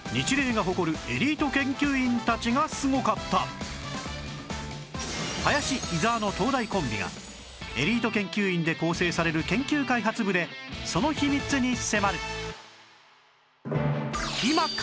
実は林伊沢の東大コンビがエリート研究員で構成される研究開発部でその秘密に迫る！